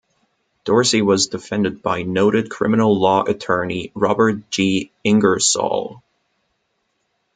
Dorsey was defended by noted criminal law attorney Robert G. Ingersoll.